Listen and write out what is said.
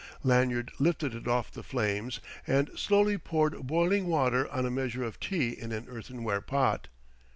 Lanyard lifted it off the flames and slowly poured boiling water on a measure of tea in an earthenware pot.